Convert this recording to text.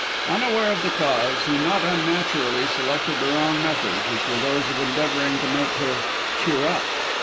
Unaware of the cause, he not unnaturally selected the wrong methods, which were those of endeavouring to make her "cheer up."